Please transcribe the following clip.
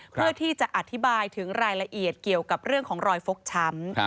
เพื่อที่จะอธิบายถึงรายละเอียดเกี่ยวกับเรื่องของรอยฟกช้ำ